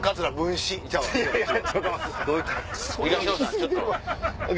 ちょっと！